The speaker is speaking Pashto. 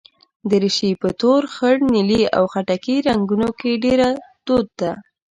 دریشي په تور، خړ، نیلي او خټکي رنګونو کې ډېره دود ده.